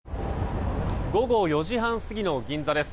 午後４時半過ぎの銀座です。